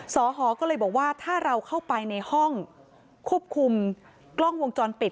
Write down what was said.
อหอก็เลยบอกว่าถ้าเราเข้าไปในห้องควบคุมกล้องวงจรปิด